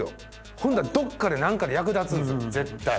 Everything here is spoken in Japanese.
ほんならどっかで何かで役立つんですよ絶対。